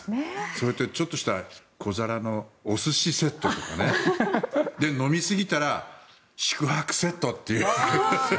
それから、ちょっとした小皿のお寿司セットとかね。飲みすぎたら宿泊セットっていう。